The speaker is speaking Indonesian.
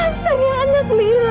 aksan yang anak lirik